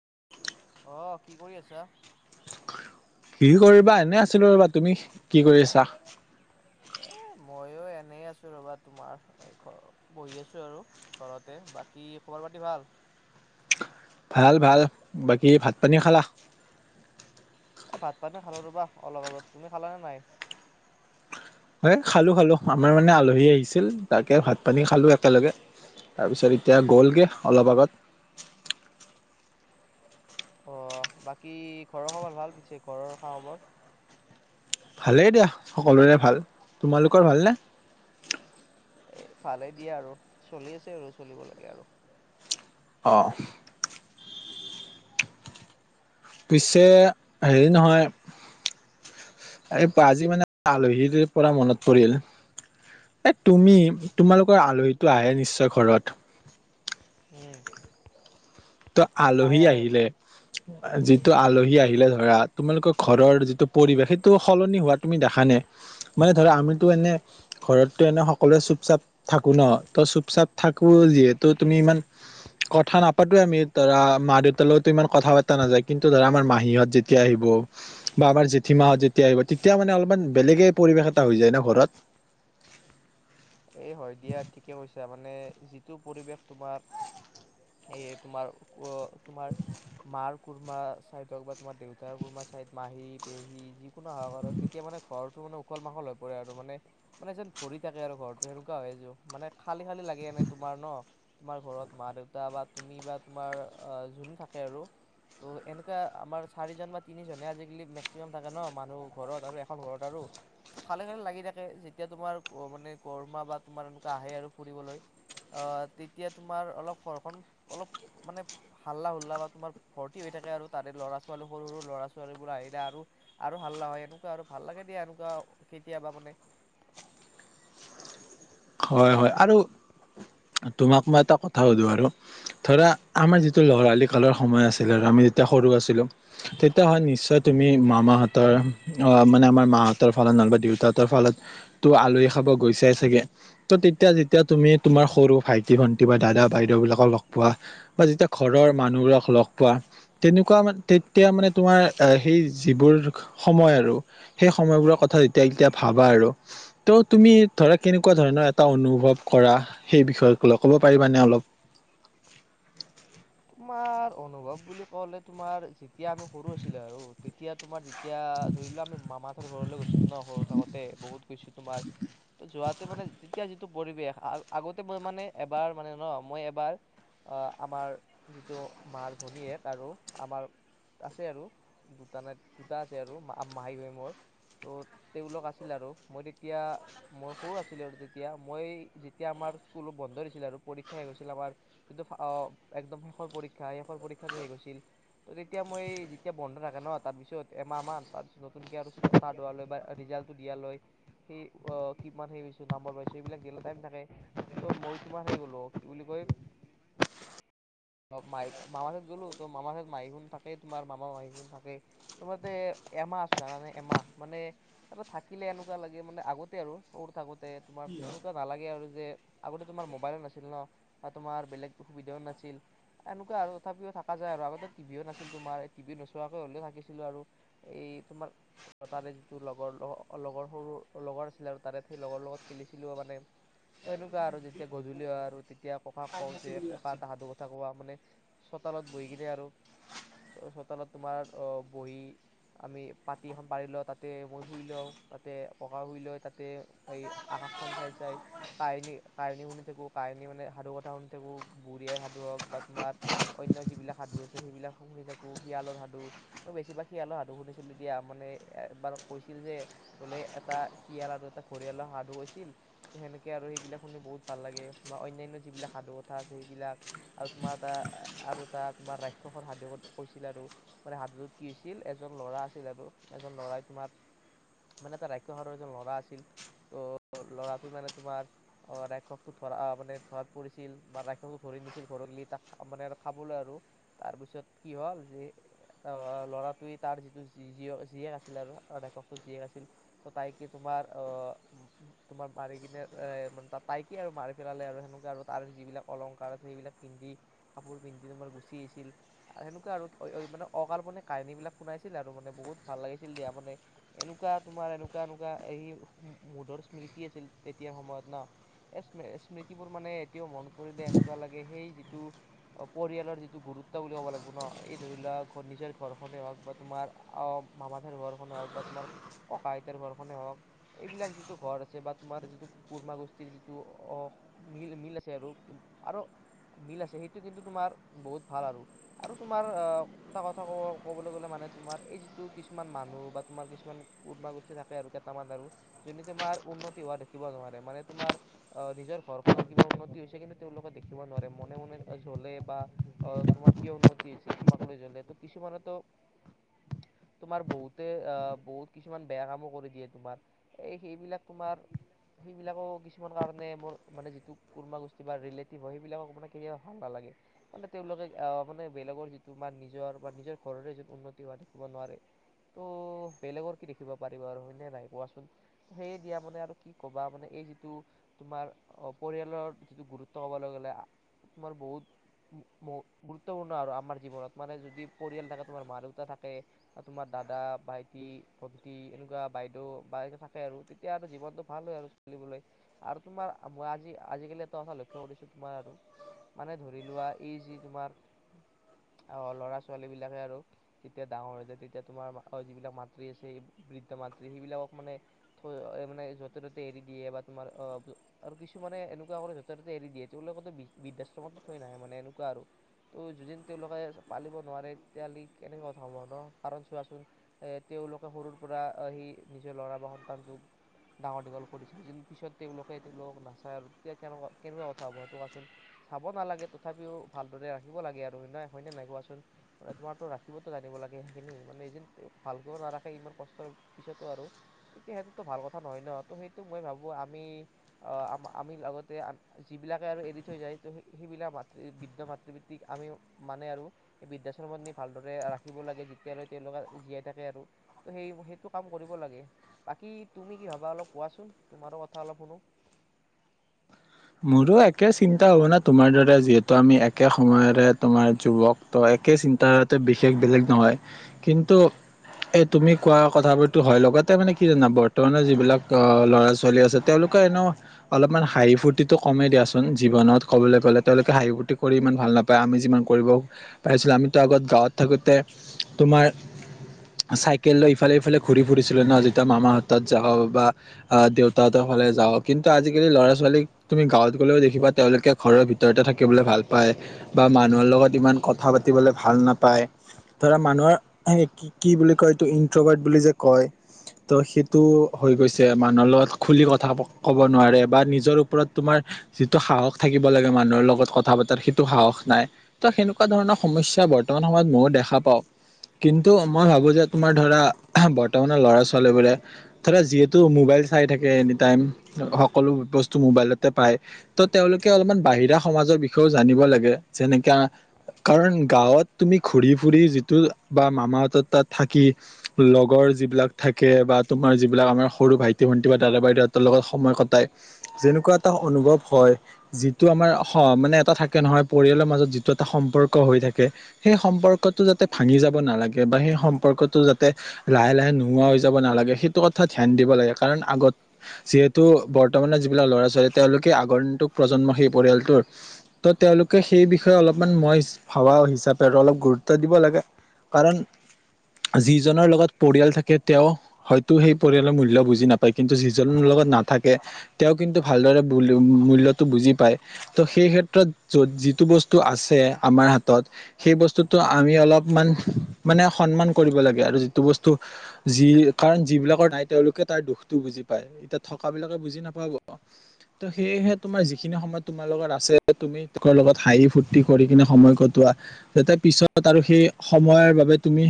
[inaudible] অ', কি কৰি আছা? কি কৰিবা এনে আছিলো ৰ'বা। তুমি কি কৰিছা? এ, ময়ো এনে আছো ৰবা তোমাৰ ঘ বহি আছো আৰু ঘৰতে, বাকী খবৰ পাতি ভাল? ভাল, ভাল। বাকী ভাত পানী খালা? এ, ভাত পানী খালো ৰবা অলপ আগত। তুমি খালানে নাই? এ, খালো, খালো। আমাৰ মানে আলহী আহিছিল তাকে ভাত পানী খালো একেলগে। তাৰ পিছত এতিয়া গ'লগে। অলপ আগত। অ', বাকী ঘৰৰ খবৰ ভাল পিছে ঘৰৰ খা খবৰ? ভালেই দিয়া, সকলোৰে ভাল। তোমালোকৰ ভালনে? এ, ভালে দিয়া আৰু, চলি আছে আৰু চলিব লাগে আৰু। অ'। পিছে হেৰি নহয়, এই আজি মানে আলহী পৰা মনত পৰিল, এই তুমি তোমালোকৰ আলহীটো আহে নিশ্চয় ঘৰত। উ। ত আলহী আহিলে। যিটো আলহী আহিলে ধৰা, তোমালোকৰ ঘৰৰ যিটো পৰিৱেশ, সেইটো সলনি হোৱা তুমি দেখা নে? মানে ধৰা আমিতো এনে ঘৰতটো এনে সকলোৱে চুপ-চাপ থাকো ন। ত চুপ-চাপ থাকো যিহেতু তুমি ইমান কথা নাপাতোৱে আমি। ধৰা মা-দেউতা লগততো ইমান কথা পাতা নাযায়। কিন্তু ধৰা আমাৰ মাহীহঁত যেতিয়া আহিব বা আমাৰ জেঠী মাহঁত যেতিয়া আহিব তেতিয়া মানে অলপমান বেলেগে পৰিবেশ এটা হৈ যায় ন ঘৰত। এ, হয় দিয়া ঠিকে কৈছা, মানে যিটো পৰিৱেশ তোমাৰ এই তোমাৰ অ', তোমাৰ মাৰ কোনোবা চাইদ হ'ক বা তোমাৰ দেউতাৰ কোনোবা চাইদ মাহী, পেহী যিকোনো আহক আৰু তেতিয়া মানে ঘৰটো মানে উখল মাখল হৈ পৰে আৰু মানে, মানে যেন ভৰি থাকে আৰু ঘৰ সেনেকুৱা হয়যো। মানে খালী খালী লাগে এনে তোমাৰ ন? তোমাৰ ঘৰত মা-দেউতা বা তুমি বা তোমাৰ জোন থাকে আৰু তো এনেকুৱা আমাৰ চাৰিজন বা তিনিজনে আজিকালি মেক্সিমাম থাকে ন? মানুহ ঘৰত আৰু এখন ঘৰত আৰু ত' খালি, খালি লাগি থাকে যেতিয়া তোমাৰ মানে বৰমা বা তোমাৰ এনেকুৱা আহে আৰু ফুৰিবলৈ। অ', তেতিয়া তোমাৰ অলপ ঘৰখন অলপ মানে হাল্লা-হুল্লা বা তোমাৰ ভৰ্তি হৈ থাকে আৰু তাৰে ল'ৰা ছোৱালী সৰু সৰু ল'ৰা ছোৱালীবো আহিলে আৰু, আৰু হাল্লা হয় এনেকুৱা আৰু ভাল লাগে দিয়া এনেকুৱা কেতিয়াবা মানে। হয় হয় আৰু তোমাক মই এটা কথা সুধো আৰু ধৰা আমাৰ যিটো লৰালি কালৰ সময় আছিল আৰু আমি যেতিয়া সৰু আছিলো তেতিয়া হয় নিশ্চয় তুমি মামাহঁতৰ মানে আমাৰ মাহঁতৰ ফালত নহবা দেউতাহঁতৰ ফালত তো আলহী খাব গৈছোই চাগে ত তেতিয়া যেতিয়া তুমি তোমাৰ সৰু ভাইটি ভন্টি বা দাদা বাইদেউ বিলাকক লগ পোৱা বা যেতিয়া ঘৰৰ মানুহবোৰাক লগ পোৱা তেনেকুৱা মান তেতিয়া মানে তোমাৰ সেই যিবোৰ সময় আৰু সেই সময়বোৰৰ কথা যেতিয়া এতিয়া ভাবা আৰু ত তুমি ধৰা কেনেুৱা নেকুৱা ধৰণৰ এটা অনুভৱ কৰা সেই বিষয় লৈ ক'ব পাৰিবানে অলপ তোমাৰ অনুভৱ বুলি কলে তোমাৰ যেতিয়া আমি সৰু আছিলে আৰু তেতিয়া তোমাৰ যেতিয়া ধৰিলোৱা আমি মামাহথৰ ঘৰলৈ গৈছিলো ন সৰু থাকোতে বহুত গৈছো তোমাৰ ত যোৱাতে মানে তেতিয়া যিটো পৰিৱেশ আগতে মই মানে এবাৰ মানে ন মই এবাৰ আমাৰ যিটো মাৰ ভনীয়েীয়েক আৰু আমাৰ আছে আৰু দুটা নাই দুটা আছে আৰু মাহাই হৈ মোৰ ত' তেওঁলোক আছিল আৰু মই তেতিয়া মই সৰু আছিলোঁ আৰু তেতিয়া মই যেতিয়া আমাৰ স্কুলো বন্ধ দিছিলে আৰু পৰীক্ষা শেষ হৈছিল আমাৰ যিটো একদম শৰ পৰীক্ষা শষৰ পৰীক্ষা হেই গৈছিল ত তেতিয়া মই যেতিয়া বন্ধ থখা ন তাৰ পিছত এমাহ মান তাৰপিছত চুনক আৰু চাহ ধুৱোৱা লৈ বা ৰিজাল্টটো দিয়াালৈ সেই কিমান সেই নাম্বৰ পাইছ সেইবিলাক দিয়ালৈ টাইম থাকে ত' মই তোমাৰ হেই গলো কি বুলি কয় ম মামাৰ চত গ'লো তো মামাৰ তত মাহীখন থাকেই তোমাৰ মামা মাহীখন থাকেই তোমাৰতে এমাহ আছো জানাানে এমাহ মানে তাৰ থাকিলে এনেকুৱা লাগে মানে আগতে আৰু সৰু থাকোতে তোমাৰ এনেকুৱা নালাগে আৰু যে আগতে তোমাৰ মোবাইলো নাছিল ন বা তোমাৰ বেলেগ অসুবিধাও নাছিল এনেকুৱা আৰু তথাপিও থাককা যায় আৰু আগতে টিভিও নাছিল তোমাৰ এই টিভি নোচোৱাকে হ'লেও থাকিছিলো আৰু এই তোমাৰ তাৰে যিটো লগৰ লগৰ সৰু লগৰ আছিলে আৰু তাৰে সেই লগৰ লগত খেলিছিলো মানে ত এনেকুৱা আৰু যেতিয়া গধূলি হয় আৰু এতিয়া প্ৰকাশ কওঁ যে পকাাহাদ [inaudible] মানে চোতালত বহি কিনে আৰু চোতালত তোমাৰ আহ বহি আমি পাতি এখন পাৰি লওঁ তাতে মই শুই লওঁ তাতে পকা শুই লৈ তাতে এই আকাশখন চাই- চাই কাহিনী কাহিনী শুনি থাকো কাহিনী মানে সাধু কথা শুনি থাকো বুঢ়ী আই সু সাধুহওক বা তোমাৰ অন্য যিবিলাক সাধু আছে সেইবিলাক শুনি থাকো শিয়ালৰ সাধু মই বেছিভাগ শিয়ালৰ সাধু শুনিছিলো দতিিয়া মানে এবাৰ কৈছিল যে বোলে এটা শিয়াল আৰু এটা ঘৰিয়ালৰ সাধু হৈছিল ত সেনেকে আৰু সেইবিলাক শুনি বহুত ভাল লাগে বা অন্যান্য যিবিলাক সাধু কথা আছে সেইবিলাক। আৰু তোমাৰ এটা আৰু এটা তোমাৰ ৰাক্ষসৰ সাধুত কৈছিল আৰু মানে সাধুটোত কি হৈছিল এজন লৰা আছিল আৰু এজন লৰাই তোমাৰ মানে এটা ৰাক্ষসাৰৰ এজন লৰা আছিল, ত' লৰাটোৱে মানে তোমাৰ ৰাক্ষসটো ধৰা মানে ধৰাত পৰিছিল বা ৰাক্ষসটো ধৰি নিছিল। াৰি ম [inaudible] পিন্ধি কাপোৰ পিন্ধি তোমাৰ গুচি আহিছিল সেনেুৱা আৰু মানে অকাল্পনেে কাহিনী বিলাক শুনাইছিল আৰু মানে বহুত ভাল লাগিছিল দিয়া মানে এনেকুৱা তোমাৰ এনেকুৱা- এনেকুৱা এই মুধৰ স্মৃতি আছিল তেতিয়া সময়ত ন এই্ম স্মৃতিবোৰ মানে এতিয়াও মন পৰিলে এনেকুৱা ল সেই যিটো পৰিয়ালৰ যিটো গুৰুত্ব বুলি ক'ব লাগিব ন এই ধৰি লোৱাক নিজৰ ঘৰখনেই হওক বা তোমাৰ আহ মামাথাইৰ ঘৰখনেই হওক বা তোমাৰ ককা আইতাৰ ঘৰখনে হওক এইবিলাক যিটো ঘৰ আছে বা তোমাৰ যিটো কুৰৰ্মা গোষ্ঠীৰ যিটো আহ মিল মিল আছে আৰু, আৰু মিল আছে, সেইটো কিন্ত তোমাৰ বহুত ভাল আৰু - আৰু তোমাৰ আহ এটা কথা ক কবলৈ গলে মানে তোমাৰ এই যিটো কিছুমান মানুহ বা তোমাৰ কিছুমান কোনোবা গোষ্ঠী থাকে আৰু কেইটামান আৰু যদি তোমাৰ উন্নতি হোৱা দেখিব নোৱাৰে মানে তোমাৰ আহ নিজৰ ঘৰ খনৰ কিবা উন্নতি হৈছে কিন্তু তেওঁলোকে ৰািব নোৱাৰে মনে মনে জ্বলে বা অ তোমাৰ কিয় উন্নতি হৈছে তোমাক লৈ জ্বলে, ত' কিছুমানেতো তোমাৰ বহুতে বহুত কিছুমান বেয়া কামো কৰি দিয়ে তোমাৰ এই সেইবিলাক তোমাৰ সেইবিলাকো কিছুমান কাৰণে মোৰ মানে যিটো কৰ্ম গোষ্ঠী বা লেট সেইবিলাকক মানে কেতিয়াবা ভাল নালাগে মানে তেওঁলোকে আহ মানে বেলেগৰ যিটো মান নিজৰ বা নিজৰ ঘৰৰে যিটো উন্নতি হোৱা দেখিব নোৱাৰে, ত' বেলেগৰ কি দেখিব পাৰিব আৰু হয়নেে নাই কোৱাচোন সেইয়ে দিয়া মানে আৰু কি কবা মানে এই যিটো তোমাৰ পৰিয়ালৰ যিটো গুৰুত্ব ক'বলৈ গ'লে তোমাৰ বহুত গুৰুত্বপূৰ্ণ আৰু আমাৰ জীৱনত মানে যদি পৰিয়াল থাকে তোমাৰ মা দেউতা থাকে তোমাৰ দাদা ভাইটি ভণ্টি এনেকুৱা বাইদেউ বাই থাকে আৰু তেতিয়া আৰু জীৱনটো ভাল হয় আৰু চলিবলৈ আৰু তোমাৰ মই আজি আজিকালি চ কৰিছো তোমাৰ আৰু মানে ধৰি লোৱা এই যি তোমাৰ আহ ল'ৰা ছোৱালী বিলাকে আৰু যেতিয়া ডাঙৰ হৈ যায় তেতিয়া তোমাৰ যিবিলাক মাতৃ আছে বৃদ্ধ মাতৃ সেইবিলাকক মানে থ মানে য'তে ত'তে এৰি দিয়ে বা তোমাৰ অ আৰু কিছু মানে এনেকুৱা কৰে ৰতে এৰি দিয়ে তেওঁলোকেতো বৃদ্ধাশ্ৰমতো থৈ নাহে মানে এনেকুৱা আৰু তো যদি তেওঁলোকে পালিব নোৱাৰে তেতিয়াহ'লে কেনেকৈ কথা সম্ভ ন, কাৰণ চোৱাচোন তেওঁলোকে সৰুৰ পৰা আহি নিজৰ ল'ৰা বা সন্তানটোক ডাঙৰ দীঘল কৰিছিল য পিছত তেওঁলোকে তেওঁলোকক নাচায় আৰু তেতিয়া কেনেকুৱা কেনেকুৱা কথা হ'ব সেইটো কোৱাচোন, চাব নালাগে তথাপিও ভালদৰে ৰাখিব লাগে আৰু হয় নয় হয়নে নাই কোৱাচোন মান তোমাৰতো ৰাখিবতো জানিব লাগে সেইখিনি মানে যোনে ভাল কৰিব নাৰাখে ইমান কষ্টৰ পিছতো আৰু তেতিয়া সেইটোতো ভাল কথা নহয় ন ত সেইটো মই ভাবো আমি আমি লগতে যিবিলাকে আৰু এৰি থৈ যায় ত সেইবিলাক মাতৃ বৃদ্ধ মাতৃবৃত্তিক আমি মানে আৰু বৃদ্ধাশ্ৰমত নি ভালদৰে ৰাখিব লাগে যেতিয়ালৈ তেওঁলোকে জীয়াই থাকে আৰু ত' সেই সেইটো কাম কৰিব লাগে বাকী তুমি কি ভাবা অলপ কোৱাচোন তোমাৰো কথা অলপ শুনো। মোৰো একে চিন্তা ভাৱনা তোমাৰ দাৰ যিহেতু আমি একে সময়ৰে তোমাৰ যুৱক ত একে চিন্তাধাৰ বিশেষ বেলেগ নহয় কিন্তু এই তুমি কোৱা কথাবোৰো হয় লগতে মানে কি জানা বৰ্তমানৰ যিবিলাক অ ল'ৰা ছোৱালী আছে তেওঁলোকে এনে অলপমান হাঁহি ফু তটো কমেই দিয়াচোন জীৱনত কবলৈ গলে তেওঁলোকে হাঁহি - ফূৰ্তি কৰি ইমান ভাল নাপায় আমি যিমান কৰিব পাৰিছিলো। আমিতো আগত গাঁৱত থাকোতে তোমাৰ চাইকেল লৈ ইফালে ইফালে ঘুৰি ফুৰিছিলো ন যেতিয়া মামাহ হত যাওঁ বা দেউতাহতৰ ফালে যাওঁ কিন্তু আজিকালি ল'ৰা ছোৱালীক তুমি গাঁৱত গ'লেও দেখিবা তেওঁলোকে ঘৰৰ ভিতৰতে থাকিবলৈ ভাল পায়। বা মানুহৰ লগত ইমান কথা পাতিবলৈ ভাল নাপায়। ধৰা মানুহৰ কি, কি বুলি কয় এইটো ইনটবাৰট বুলি যে কয় ত সেইটো হৈ গৈছে মানুহৰ লগত খুলি কথা ক'ব নোৱাৰে বা নিজৰ তোমাৰ যিটো সাহস থাকিব লাগে মানুহৰ লগত কথা পতাৰ সেইটো সাহস নাই। ত সেনেকুৱা ধৰণৰ সমস্যা বৰ্তমান সময়ত ময়ো দেখা পাওঁ। কিন্তু মই ভাবো যে তোমাৰ ধৰা বৰ্তমানৰ ল'ৰা- ছোৱালী বোৰে ধৰা যিহেতু মোবাইল চাই থাকে এনিটাইম সকলো মোবাইলতে পায়। ত' তেওঁলোকে অলপমান বাহিৰা সমাজৰ বিষয়েও জানিব লাগে। যেনেকাা কাৰণ গাঁৱত তুমি ঘুৰি ফুৰি যিটো বা মামাহত তাত থাকি লগৰ যিবিলাক থাকে বা তোমাৰ যিবিলাক আমাৰ সৰু ভাইটি, ভন্টি বা দাদা, বাইদউতৰ লগত সময় কটাই যেনেকুৱা এটা অনুভৱ হয় যিটো আমাৰ মানে এটা থাকে নহয় পৰিয়ালৰ মাজত যিটো এটা সম্পৰ্ক হৈ থাকে। সেই সম্পৰ্কটো যাতে ভাঙি যাব নালাগে বা সেই সম্পৰ্কটো যাতে লাহে-লাহে নোহোৱা হৈ যাব নালাগে সেইটো কথা ধিয়ান দিব লাগে। কাৰণ আগত যিহেতু বৰ্তমানে বিাক ল'ৰা-ছোৱালী তেওঁলোকে আগৰ দিনটোক প্ৰজন্ম সেই পৰিয়ালটোৰ ত তেওঁলোকে সেই বিষয়ে অলপমান মই ভবা হিচাপে আৰু অলপ গুৰুত্ব দিব লাগে। কাৰণ যিজনৰ লগত পৰিয়াল থাকে তেওঁ হয়তো সেই পৰিয়ালৰ মূল্য বুজি নাপায় কিন্তু যিজনৰ লগত নাথাকে তেওঁ কিন্তু ভালদৰে মূল্যটো বুজি পায়। ত' সেই ক্ষেত্ৰত য যিটো বস্তু আছে আমাৰ হাতত সেই বস্তুটো আমি অলপমান মানে সন্মান কৰিব লাগে আৰু যিটো বস্তু যি কাৰণ যিবিলাকৰ নাই তেওঁলোকে তাৰ দুখটো বুজি পায়। এতিয়া থকা বিলাকে বুজি নাপায় ত সেয়েহে তোমাৰ যিখিনি সময় তোমাৰ লগত আছে তুমি ত লগত হাঁহি, ফূুৰ্তি কৰি কিনে সময় কটোৱা যাতে পিছত আৰু সেই সময়ৰ বাবে তুমি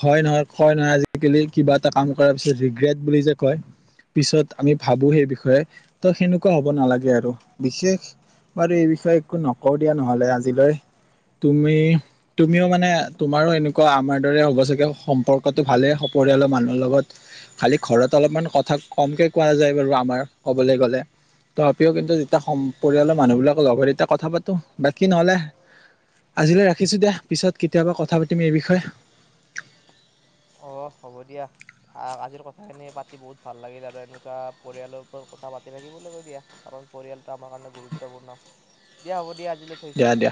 হয় নহয় কয় নহয় আজিকালি কিবা এটা কাম কৰাৰ পিছত ৰিগ্ৰেট বুলি যে কয়। পিছত আমি ভাবো সেই বিষয়ে ত, সেনেকুৱা হ'ব নালাগে আৰু বিশেষ বাৰু এই বিষয়ে একো নকওঁ দিয়া নহলে আজিলৈ তুমি তুমিও মানে তোমাৰো এনেকুৱা আমাৰ দৰে হ'ব চাগে সম্পৰ্কটো ভালেই পৰিৰিয়ালৰ মানুহৰ লগত খালি ঘৰত অলপমান কথা কমকে কোৱা যায় বাৰু আমাৰ কবলৈ গলে। তথাপিও কিন্তু যেতিয়া পৰিয়ালৰ মানুহবিলাকক লগ হয় তেতিয়া কথা পাতো। বাক নহলে আজিলৈ ৰাখিছো দিয়া। পিছত কেতিয়াবা কথা পাতিম এই বিষয়ে। অ হ'ব দিয়া। আজিৰ কথাখিনি পাতি বহুত ভাল লাগিল আৰু এনেকুৱা পৰিয়ালৰ ওপৰত কথা পাতি থাকিব ল দিয়া কাৰণ পৰিয়ালটো আমাৰ কাৰণে গুৰুত্বপূৰ্ণ। দিয়া হ'ব দিয়া। আজিলৈ থৈছো। দিয়া দিয়া